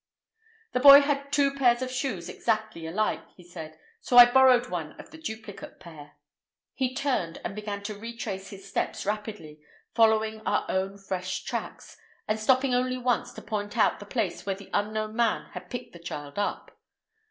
"The boy had two pairs of shoes exactly alike," he said, "so I borrowed one of the duplicate pair." He turned, and began to retrace his steps rapidly, following our own fresh tracks, and stopping only once to point out the place where the unknown man had picked the child up.